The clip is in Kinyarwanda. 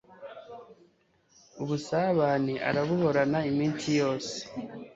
ubusabane arabuhorana iminsi yose